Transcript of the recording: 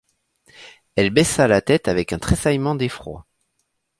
Elle baissa la tête avec un tressaillement d’effroi.